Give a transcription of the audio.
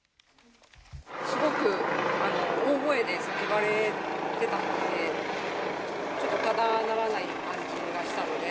すごく大声で叫ばれてたので、ちょっとただならない感じがしたので。